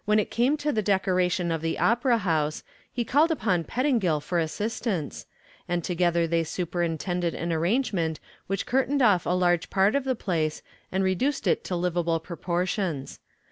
When it came to the decoration of the opera house, he called upon Pettingill for assistance, and together they superintended an arrangement which curtained off a large part of the place and reduced it to livable proportions.